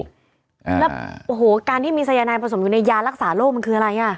แล้วโอ้โหการที่มีสายนายผสมอยู่ในยารักษาโรคมันคืออะไรอ่ะ